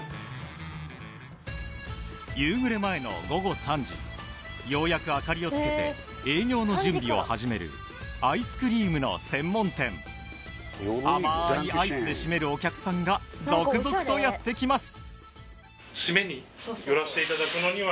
夕暮れ前の午後３時ようやく明かりをつけて営業の準備を始めるアイスクリームの専門店甘いアイスで〆るお客さんが続々とやって来ます